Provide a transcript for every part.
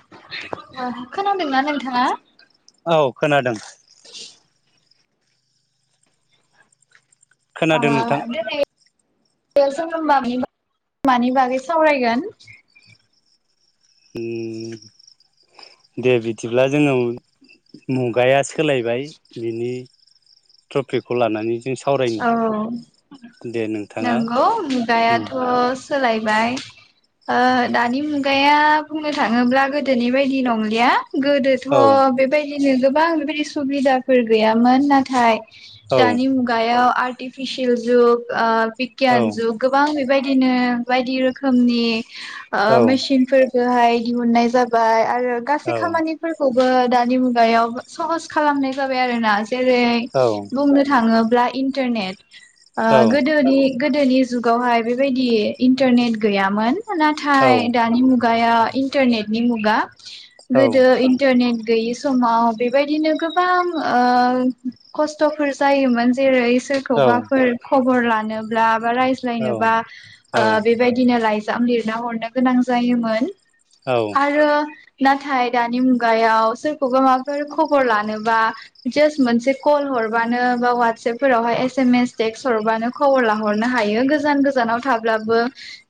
[unintelligible] खोनांदोंना नोंथां। हा। औ खोनादों। [unintelligible] अ खोनादों नोंथां [unintelligible] मानि बागै सावरायगोन। उम। दे बिदिब्ला जोंनाव मुगाया सो सोलायबाय बिनि। ट्रफिखौ लानानै। जों सावरायनि औ दे नोंथाङा नंगौ उम मुगायाथ'। सोलायबाय दानि मुगाया बुंनो थाङोब्ला गोदोनि बायदि नंलिया। गोदोथ' औ बेबायदि। नो गोबां बेबायदि सुबिदाफोर गैयामोन नाथाय। औ दानि मुग आरटिफिसियेल जुग ओ । औ बिगियान जुग गोबां बेबायदि। दिनो बायदि रोखोमनि। ओ मेसिन फोरफोरखोहाय। दिहुननाय जाबाय। आरो औ गासै खामानिफोरखौ। [unintelligible] दानि मुगायाव सहस खालामनाय जाबाय आरोना। जेरै- औ बुंनो थाङोब ब्ला इन्टारनेट। ओ औ गोदोनि। गोदोनि जुगावहाय बेबायदि इन्टारनेट गैयामोन। औ नाथाय दानि मुग गाया इन्टारनेटनि मुगा। औ गोदो इन्टारनेट गैयै समाव बेबायदिनो गोबां ओ खस्थ'फोर जायोमोन । जेरै सोरखौबाफोर खबर ला नोब्ला बा रायज्लायनोबा ओ बेबादिनो लाइ जाम लिरना हरनो गोनां जायोमोन। आरो नाथाय दानि मुगायाव सोरखौबा माबाफोर खबर लानोबा जास्ट मोनसे कल हरबानो बा वट सेपफोरावहाय एस एम एस टेक्स हरबानो खबर लाहरनो हायो गोजान गोजानाव थाब्लाबो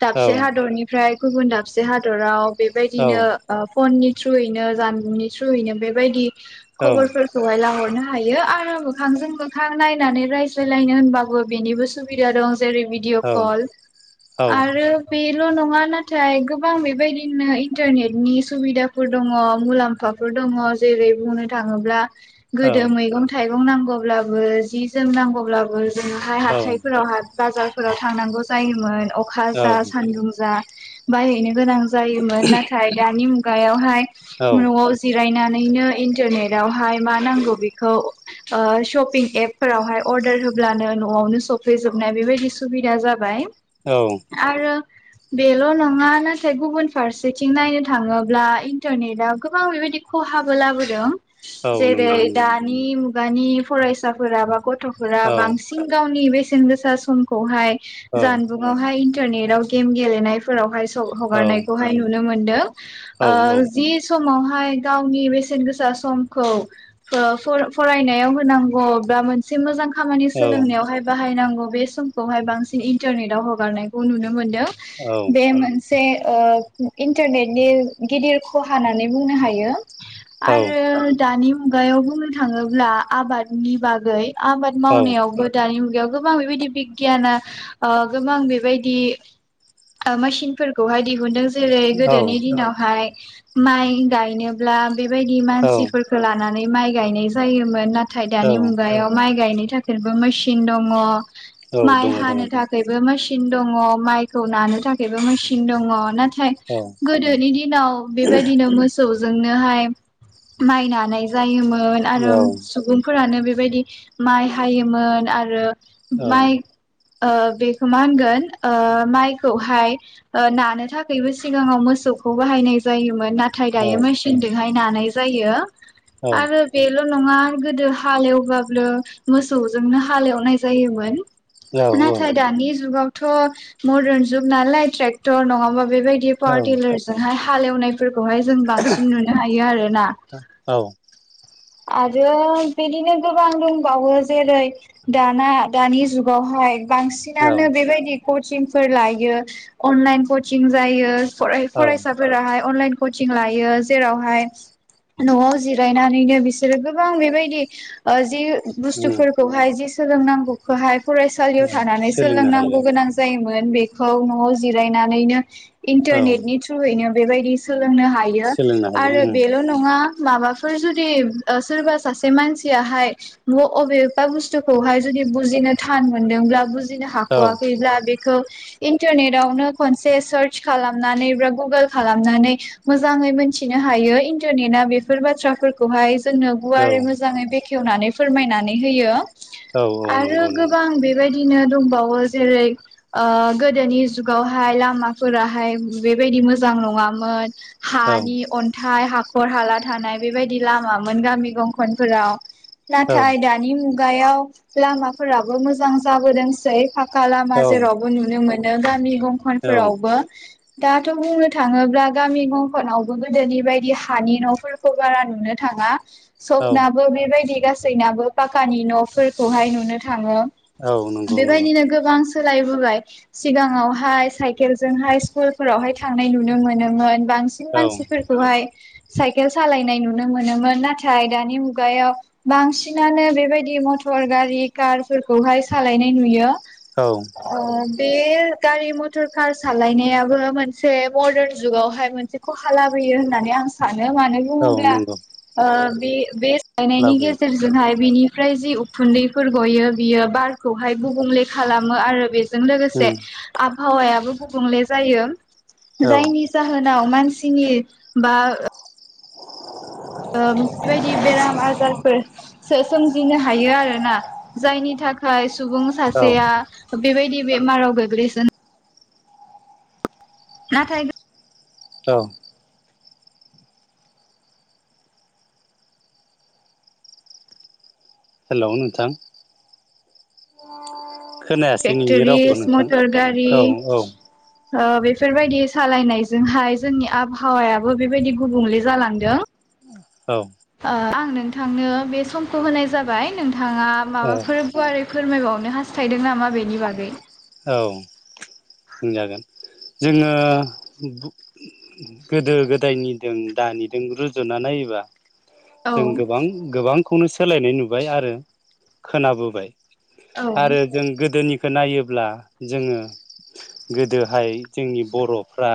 दाबसे हादरनिफ्राय गुबुन दाबसे हादराव बेबायदिनो ओ फननि थ्रुयैनो जानबुंनि थ्रुयैनो बेबायदि खबरफोरखौहाय लाहोन नो हायो आरो मोखांजों मोखां नायनानै रायज्लायलायनो होनबाबो बेनिबो सुबिदा दं । जेरै भिदिअ कल आरो बे ल' नङा नाथाय गोबां बेबायदिनो इन्टारनेटनि सुबिदाफोर दङ मुलाम्फाफोर दङ जेरै बुंनो थाङोब्ला गोदो मैगं थाइ गं नांगौब्लाबो जि जोम नांगौब्लाबो जोंहाय हाथायफोराव हाय बाजार फोराव थांनांगौ जायोमोन। अखा जा सान्दुं जा बायहैनो गोनां जायोमोन नाथाय दानि मु गायावहाय औ न'आव जिरायना नैनो इन्टारनेटावहाय मा नांगौ बेखौ ओ शपिं एप फोरावहाय अर्डार होब्लानो न'आवनो सफैजोबनाय बेबायदि सुबिदा जाबाय। औ औ आरो बेल' नङा नाथाय गुबुन फारसेथिं नायनो थाङोब्ला इन्टारनेटाव गोबां बेबायदि खहाबो लाबोदों। औ जेरै नंगौ नंगौ दानि मु गानि फरायसा बोराबाखथ गथ'फोरा औ बांसिन गावनि बेसथ बेसेन गोसा समखौहाय औ जानबुंआवहाय इन्टारनेट आव गेम गेलेनायफोरावहाय' औ हगारनायखौहाय नुनो मोनो। दों औ ओ जिस समावहाय गावनि बेसेन गोसा समखौ फरायनायाव होनांगौ। [unintelligible] मोनसे मोजां खामानि सोलोंनायावहाय बाहायनांगौ बे समखौहाय बांसिन इन्टारनेटाव हगारनायखौ नुनो मोन मोनदों बे मोनसे इन्टारनेटनि गिदिर खहा होननानै बुंनो हायो औ आरो दानि उन मुगायाव बुंनो थाङोब्ला आबादनि बागै गै आबाद औ मावनायावबो दानि मुगायाव गोबां बेबायदि बिगियाना गोबां बेबायदि मेसिनफोरखौहाय दिहुनदों जेरै औ गोदोनि दिनावहाय माइ गायनोब्ला बेबायदि औ मानसिफोरखौ लानानै माइ गायनाय जायोमोन नाथ थाय औ दानि मु माइ गायनो थाखायबो मेसिन दङ, औ माइ दङ दङ हानो थाखायबो मेस सिन दङ माइखौ नानो थाखायबो मेसिन दङ नाथ थाय औ गोदोनि दिनाव बेबायदिनो मोसौज जोंनोहाय माइनानाय जायोमोन। मोन औ आरो सुबुंफोरानो बेफ बेबायदि माइ हायोमोन आरो औ माइ ओ बेखौ मा होनगोन माइखौहाय नानो थाखायबो सिगाङाव मोसौखौ बाहायनाय जायोमोन नाथाय औ दायो मेसिनजोंहाय नानाय जायो औ आरो बेेल' नङा गोदो हालेव- बो मोसौजोंनो हालेवनाय जायोमोन नाथाय दानि जुगाव थ मदार्न जुग नालाय ट्रेक्टर नङाबा बेबायदि पावार औ टेलारजोंहाय हालेवनायफोरखौ हाय जों बांसिन नुनो हायो आरोना आरो बिदिनो गोबां दंबावो जेरै दाना दानि जुगावहाय औ बांसिनानो बेबायदि कचिं फोर लायो अनलाइन कचिं जायो फराय-फरायसाफोराहाय अनलाइन कचिं लायो जेरावहाय नआव जिरायनानैनो बिसोरो गोबां बेबायदि ओ जि उम बुस्थुफोरखौहाय जि सोलोंनांगौखौहाय फरायसालियाव थानानै सोलोंनो हायो सोलोंनांगौ गोनां जायोमोन बे खौ नआव जिरायनानैनो औ इन्टारनेट नि थ्रुयैनो बेबायदि सोलोंनो हा यो सोलोंनो हायो आरो उम बेल नङा माबाफोर जुदि ओ सोरबा सासे मानसियाहाय ब अबेबा बुस्थुखौहाय जुदि बुजिनो थान मोनदोंब्ला बिदिनो औ हाख'वाखैब्ला बे खौ इन्टारनेटावनो खनसे सार्च खालामनानै बा गुगोल खालामनानै मोजाङै मिथिनो हायो इन्टारनेटआ बेफोर बाथ्राफोरखौहाय जोंनो औ गुवारै मोजाङै बेखेवनानै फोरमायनानै होयो औ आरो नंगौ नंगौ गोबां बेबायदि बिदिनो दंबावो जेरै ओ गोदोनि जुगावहाय लामाफोराहाय बेबायदि मोजां नङामोन औ हानि अन्थाइ हा खर हाला थानाय बेबायदि लामा मोन गामि गंखनफोराव। औ नाथाय दानि मुगा- याव लामाफोराबो मोजां जाबोदोंसै। हखाला माे रब न होननो मोन। गामि। औ दंखनफोरावबो। दाथ' बुंनो थाङोब्ला गामि मंखनावबो गोदोनि बायदि हानि न'फोरखौ बारा नुनो। थाङा। औ सपनाबो बेबायदि गाससिबो। जैनाबो पााखानि न'फोरखौहाय नुनो थाङो। औ नंगौ नंगौ। बेबायदिनो गोबां सोलायबोबाय सिगाङावहाय साइकेलजोंहाय स्कुलफोरावहाय थांनाय नुनो मोनोमोन। बांसिन औ मानसिफोरखौहाय। साइकेल सालायनाय नु। नुनो मोनोमोन नाथाय दानि मुगायाव बांसिनानो बेबायदि मटर गारि कारफोरखौहाय सालायनाय नुयो। ओ। औ बे गारि मथर कार सालायनायाबो मोनसे मदार्न जुगावहाय मोनसे खहा लाबोयो होननानै आं सानो। मानो औ बुङोब्ला। नंगौ ओ बे बे फायनायनि लाबोयो गेजेरजोंहाय बिनि ओमफ्राय जि उखुन्दैफोर गयो बियो बारखौहाय गुबुंले खालामो आरो बे जों लोगोसे उम आबहावायाबो। गुबुंले जायो। औ जायनि जाहोनाव मानसि। नि बा। बेबायदि बेराम आजारफोरो सोमजिनो हायो आरोना जायनि थाखाय। सुबुं औ सासेया बेबायदि बे। माराव [inaudible] नाथाय। औ। हेल' नोंथां। खोनायासै नोंनि रावखौ टेक्टरिस नोंथां मटर गारि औ बेफोरबायदि सालायनायजोंहाय जोंनि आबहावायाबो बेबायदि गुबुंले जालांदों। औ अ आंनो। थांनो बे समखौ होनाय जाबाय नों। थाङा औ माबाफोर गुवारै फोरमायबावनो हास्थायदों नामा बेनि बागै औ बुंजागोन जोङो गु गोदो- गोदायनिदों दानिदों रुजुना नायोबा औ जों गोबां गोबां खौनो सोलायनाय नुबाय आरो खोनाबोबाय औ आरो जों गोदोनि खो नायोब ब्ला जोङो गोदोहाय जोंनि बर'फ्रा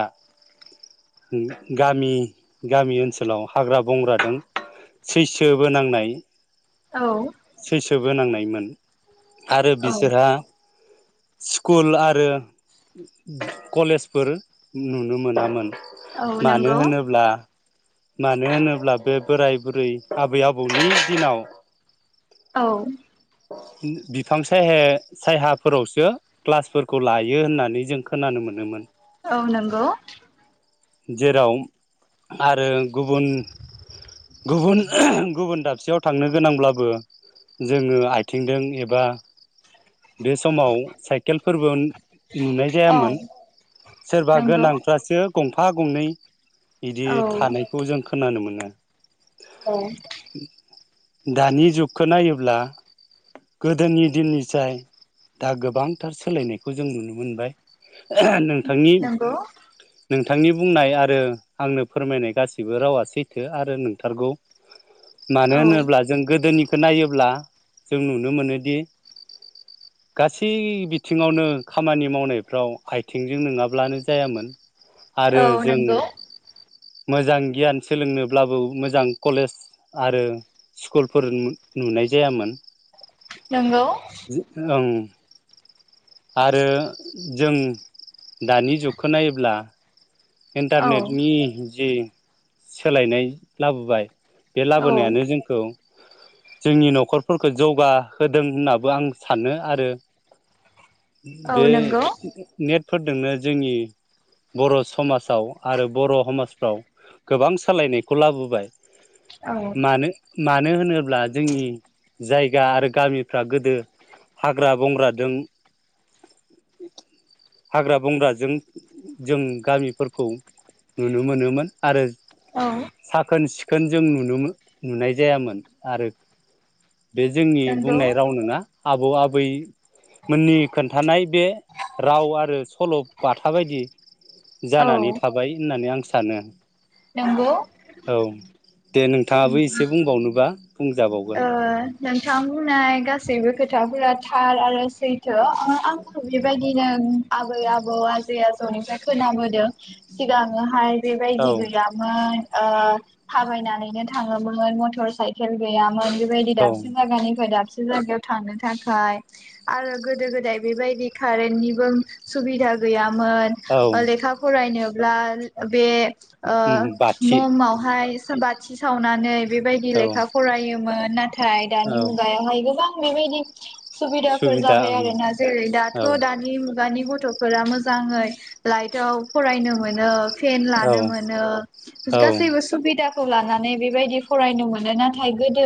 उम गामि गामि ओनसोलाव हाग्रा बंग्रादों सैसो बोनांनाय औ सोबोनांनायमोन आरो औ बिसोरहा स्कुल आरो कलेजफोर नुनो मोनामोन औ मानो नंगौ होनोब्ला मानो होनोब्ला बे बोराय बुरै आबै आबौनि दिनाव औ बिफां सायहा [unintelligible] सायाहाफोरावसो ग्लासफोरखौ लायो होननानै जों खोनानो मोनोमोन औ नंगौ जेराव आरो गुबुन गुबुन गुबुन दाबसेयाव थांनो गोनांब्लाबो जोङो आथिंदों एबा बे समाव साइकेलफोरबो नुनाय औ जायामोन सोरबा नंगौ गोनांफ्रासो गंफा गंनै इदि औ थानायखौ जों ख खोनानो मोनो औ दानि जुगखो नायोब्ला गोदोनि दिननिजाय दा गोबांथार सोलायनायखौ जों नुनो मोनबाय नोंथांनि नंगौ नोंथांनि बुंनाय आरो आंनो फोरमायनाय गासिबो रावा सैथो आरो नोंथारगौ मानो औ होनोब्ला जों गोदोनि खो नायोब्ला जों नुनो मोनोदि गासै बिथिङावनो खामानि मावनायफ्राव आइथिंजों नोङाब्लानो जायामोन आरो औ जों नंगौ मोजां गियान सोलोंनोब्लाबो मोजां कलेज आरो स्कुलफोर नु नुनाय जायामोन नंगौ जो ओं आरो जों दानि जुगखो नायोब्ला औ इन्टारनेटनि जि सोलायनाय लाबोबाय बे औ लाबोनायानो जोंखौ जोंनि न'खरफोरखौ जौगाहोदों होननाबो आं सानो आरो औ बे नंगौ फोरदोंनो जोंनि बर' समा साव आरो बर' हमाजफ्राव गोबां सालायनायखौ लाबोबाय औ । मानो? मानो होनोब्ला जोंनि जायगा आरो गामिफ्रा गोदो हाग्रा बंग्राजों हाग्रा बंग्राजों जों गामिफोर खौ नुनो मोनोमोन आरो औ साखोन सिख खोन जों नुनो मो नुनाय जायामोन आरो बे जोंनि बुंनाय नंगौ राव नङा । आबौ आबैमोननि खोन्थानाय बे राव आरो सल' बाथा बायदि जानानै औ थाबाय होननानै आं स सानो नंगौ । औ दे नोंथाङाबो एसे बुंबावनोबा । ओ नोंथां बुंनाय गासैबो खोथ था फोरा थार आरो सैथो आंखौ बेबायदिनो आबै आबौ आजै आजौनिफ्राय खोनाबोदों सिगाङोहाय औ बेबायदि गैयामोन ओ थाबायनानैनो थां थांङोमोन मथर साइकेल गैया बेबायदि औ दाबसे जायगानिफ्राय दाबसे जागायाव थांनो थाखाय आरो गोदो गोदाय बेबायदि कारेन्टनिबो सुबिदा गैया मोन औ ओ लेखा फरायनो ब्ला बे ओ उम बाथि ममावहाय बाथि सावनानै बेबायदि औ लेखा योमोन नाथाय दानि औ मुगायावहाय गोबां गोबां बेबायदि सुबिदाफोर सुबिदा जाबाय ओं आरो ना जेरै दाथ' औ दानि मुगानि थ'फोरा मोजाङै लाइटआव फरायनो मोनो। फेन औ लानो मोनो जो जो औ औ गासैबो सुबिदा खौ लानानै बेबायदि फरायनो मोनो नाथ थाय गोदो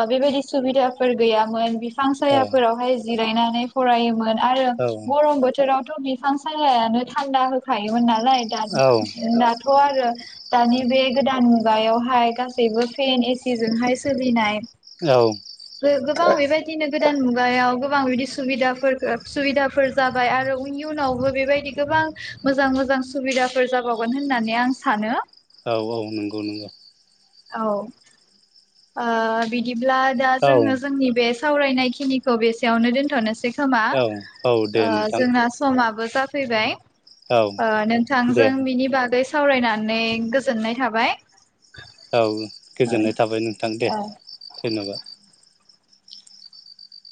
ओ बेबायदिस सुबिदाफोर गैयामोन बिफ फां सायाफोरावहाय ज जिरायनानै फरायोमोन। आरो औ गरम बोथोराव थ' बिफां सायायानो थान्दा होखायोमोन नाला नाय दा औ दाथ' आरो दानि बे गोदान मुगायावहाय गासैबो फेन एस सिजोंहाय सोलिनाय गो गोबां बेबायदिनो गोदान मुगायाव अ गोबां बिदि सुबिदाफोर गोब सुबिदाफोर जाबाय आरो उयनि इयुनावबो बेबायदि गोबां मोजां मोजां सुबिदाफोर जाबावगोन होननानै आं सानो। औ औ नंगौ नंगौ। औ ओ बिदि ब्ला दा औ जोङो जोंनि बेस सावरायनायखिनिखौ बेसेयावनो दोन्थ'नोसै। खोमा औ औ दे ओ नोंथां जोंना समाबो ज जाफैबाय औ ओ दे नोंथांजों बिनि बागैस सावरायनानै गोजोननाय थाबाय। औ औ गोजोननाय थाबाय नों थां दे औ। धयन्बाद